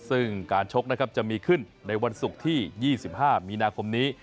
ซึ่งการชกนะครับจะมีขึ้นในวันศุกร์ที่๒๕มีนาคมนี้